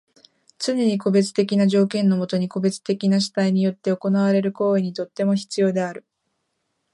つねに個別的な条件のもとに個別的な主体によって行われる行為にとっても必要である。